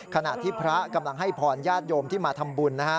ขณะที่พระกำลังให้พรญาติโยมที่มาทำบุญนะฮะ